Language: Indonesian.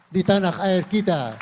di tanah air kita